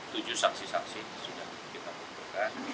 tujuh saksi saksi sudah kita kumpulkan